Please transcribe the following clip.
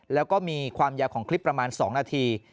แล้วก็มีความยาวของคลิปประมาณ๒นาที